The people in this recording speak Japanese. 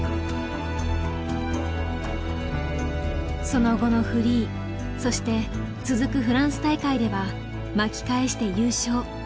その後のフリーそして続くフランス大会では巻き返して優勝。